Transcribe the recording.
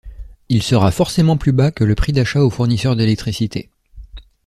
Il sera forcément plus bas que le prix d'achat au fournisseur d'électricité.